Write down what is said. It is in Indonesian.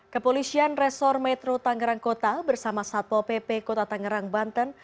kepolisian resor metro tangerang kota bersama satpol pp kota tangerang banten